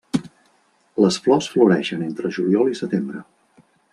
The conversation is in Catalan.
Les flors floreixen entre juliol i setembre.